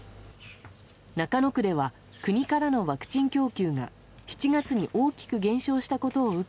中野区では国からのワクチン供給が７月に大きく減少したことを受け